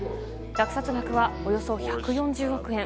落札額はおよそ１４０億円。